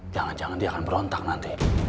jangan jangan dia akan berontak nanti